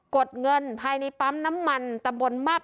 กดเงินภายในปั๊มน้ำมันตะบนมาบ